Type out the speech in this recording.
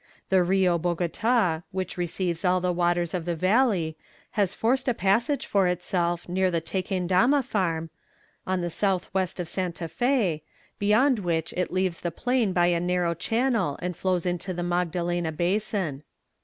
The Rio Bogota which receives all the waters of the valley, has forced a passage for itself near the Tequendama farm, on the south west of Santa Fé, beyond which it leaves the plain by a narrow channel and flows into the Magdalena basin.